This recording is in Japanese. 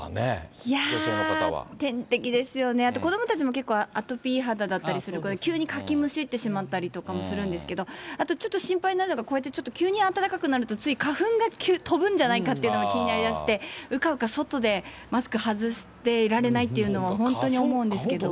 いやー、天敵ですよね、子どもたちもアトピー肌だったりして、急にかきむしったりしたりするんですけど、あとちょっと心配なのが、こうやって急に暖かくなると花粉が飛ぶんじゃないかというのが気になりだして、うかうか外でマスク外していられないって、本当に思うんですけど。